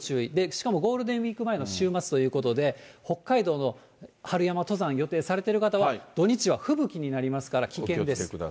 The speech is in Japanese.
しかもゴールデンウィーク前の週末ということで、北海道の春山登山予定されてる方は、土日は吹雪になりますから、危険です。